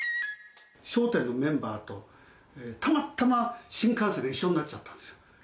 笑点のメンバーと、たまたま新幹線が一緒になっちゃったんですよ。